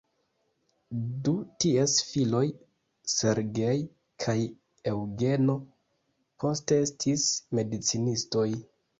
Du ties filoj "Sergej" kaj "Eŭgeno" poste estis medicinistoj.